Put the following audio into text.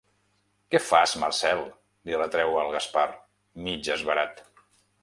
Què fas, Marcel? —li retreu el Gaspar, mig esverat—.